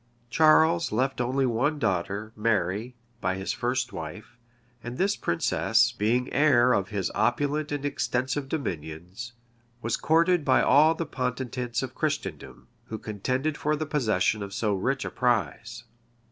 Charles left only one daughter, Mary, by his first wife; and this princess, being heir of his opulent and extensive dominions, was courted by all the potentates of Christendom, who contended for the possession of so rich a prize.